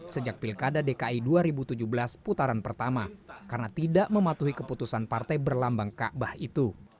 sejak pilkada dki dua ribu tujuh belas putaran pertama karena tidak mematuhi keputusan partai berlambang kaabah itu